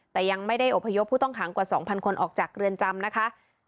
แต่ยังไม่ได้อบพยพผู้ต้องขังกว่า๒๐๐คนออกจากเรือนจำนะคะ